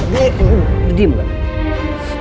nih udah diem gak